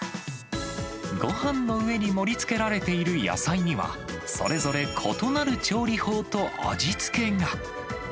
ごはんの上に盛りつけられている野菜には、それぞれ異なる調理法と味付けが。